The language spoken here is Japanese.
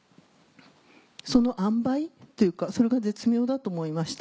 その案配というかそれが絶妙だと思いました。